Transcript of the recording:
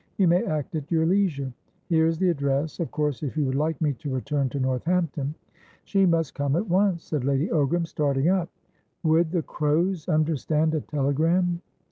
You may act at your leisure. Here is the address. Of course if you would like me to return to Northampton" "She must come at once!" said Lady Ogram, starting up. "Would the Crows understand a telegram?"